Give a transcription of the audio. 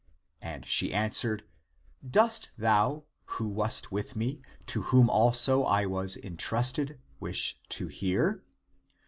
And she answered, " Dost thou, who wast with me, to whom also I was intrusted, wish to hear